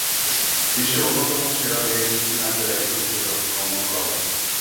বিশ্বের অন্যতম সেরা লেগ স্পিনারদের একজন হিসেবে তাকে গণ্য করা হতো।